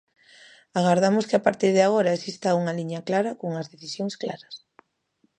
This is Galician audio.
Agardamos que a partir de agora exista unha liña clara cunhas decisións claras.